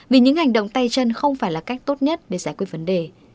vì những hành động tay chân không phải là cách tốt nhất để giải quyết vấn đề